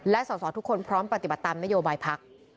และสอสอทุกคนพร้อมปฏิบัติตามนโยบายพัก